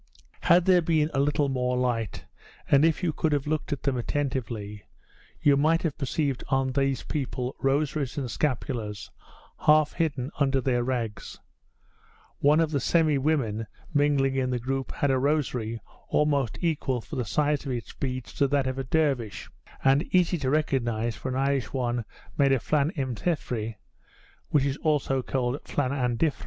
Had there been a little more light, and if you could have looked at them attentively, you might have perceived on these people rosaries and scapulars half hidden under their rags; one of the semi women mingling in the group had a rosary almost equal for the size of its beads to that of a dervish, and easy to recognize for an Irish one made at Llanymthefry, which is also called Llanandriffy.